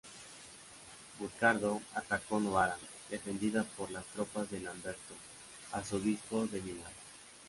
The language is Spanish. Burcardo atacó Novara, defendida por las tropas de Lamberto, arzobispo de Milán.